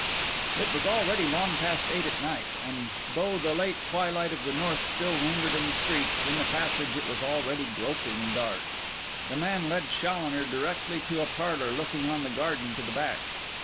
It was already long past eight at night; and though the late twilight of the north still lingered in the streets, in the passage it was already groping dark. The man led Challoner directly to a parlour looking on the garden to the back.